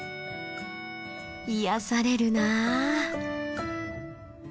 癒やされるな。